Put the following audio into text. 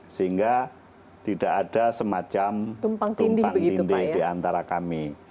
sehingga tidak ada semacam tumpang tindih di antara kami